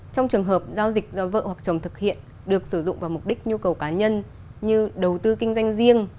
trong trường hợp giao dịch do vợ hoặc chồng thực hiện được sử dụng vào mục đích nhu cầu cá nhân như đầu tư kinh doanh riêng